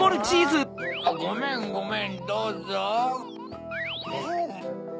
あっごめんごめんどうぞ。